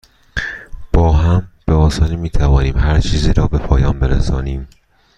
با هم، به آسانی می توانیم هرچیزی را به پایان برسانیم.